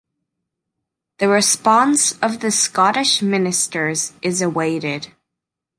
The response of the Scottish ministers is awaited.